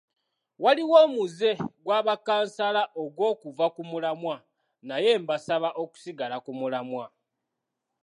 Waliwo omuze gwa bakkansala ogw'okuva ku mulamwa naye mbasaba okusigala ku mulamwa.